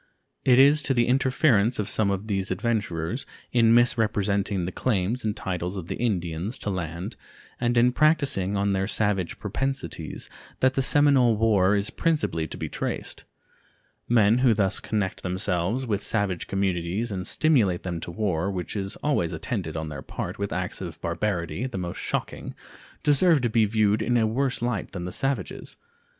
It is to the interference of some of these adventurers, in misrepresenting the claims and titles of the Indians to land and in practicing on their savage propensities, that the Seminole war is principally to be traced. Men who thus connect themselves with savage communities and stimulate them to war, which is always attended on their part with acts of barbarity the most shocking, deserve to be viewed in a worse light than the savages.